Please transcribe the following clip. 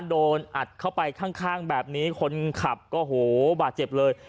โดนอัดเข้าไปข้างแบบนี้คนขับก็โหบาดเจ็บเลย